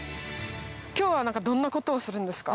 今日はどんなことをするんですか？